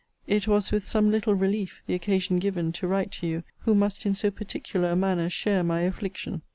It was with some little relief (the occasion given) to write to you, who must, in so particular a manner, share my affliction.